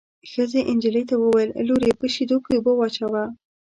ښځې نجلۍ ته وویل: لورې په شېدو کې اوبه واچوه.